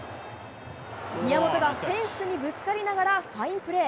宮本がフェンスにぶつかりながらファインプレー。